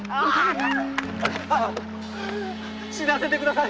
死なせて下さい。